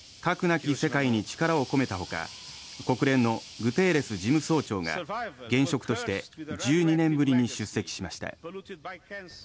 なき世界に力を込めたほか国連のグテーレス事務総長が現職として１２年ぶりに出席しました。